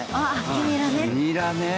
黄ニラね。